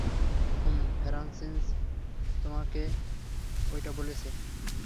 হম Francis তোমাকে ঐটা বলেছে?